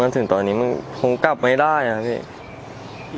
ถึงตอนนี้มันคงกลับไม่ได้อะพี่